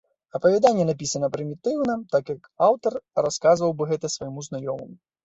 Апавяданне напісана прымітыўна, так, як аўтар расказваў бы гэта свайму знаёмаму.